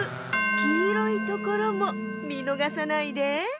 きいろいところもみのがさないで。